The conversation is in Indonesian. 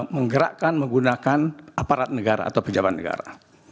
menggerakkan menggunakan aparat negara atau pejabat negara